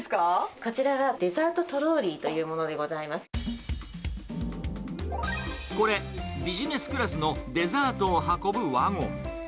こちらはデザートトローリーこれ、ビジネスクラスのデザートを運ぶワゴン。